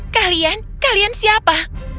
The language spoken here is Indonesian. kalian kalian siapa